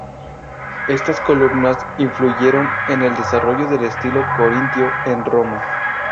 Estas columnas influyeron en el desarrollo del estilo corintio en Roma.